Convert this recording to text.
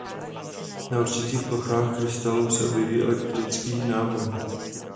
Na určitých plochách krystalu se objeví elektrický náboj.